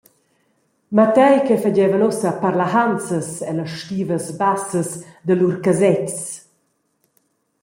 Matei ch’ei fagevan ussa parlahanzas ella stivas bassas da lur casetgs.